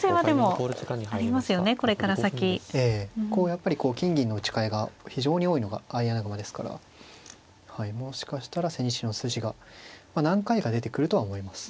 やっぱりこう金銀の打ちかえが非常に多いのが相穴熊ですからもしかしたら千日手の筋が何回か出てくるとは思います。